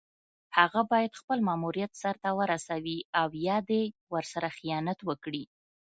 هغه باید خپل ماموریت سر ته ورسوي او یا دې ورسره خیانت وکړي.